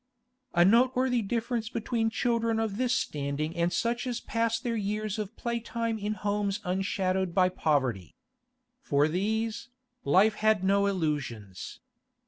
A noteworthy difference between children of this standing and such as pass their years of play time in homes unshadowed by poverty. For these, life had no illusions.